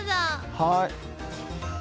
はい。